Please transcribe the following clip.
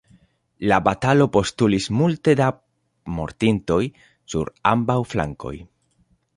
La batalo postulis multe da mortintoj sur ambaŭ flankoj.